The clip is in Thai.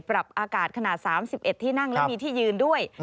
ปรับอากาศขนาด๓๑ที่นั่งและมีที่ยืนด้วย